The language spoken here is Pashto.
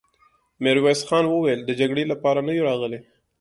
ميرويس خان وويل: د جګړې له پاره نه يو راغلي!